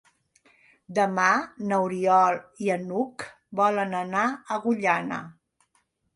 Demà n'Oriol i n'Hug volen anar a Agullana.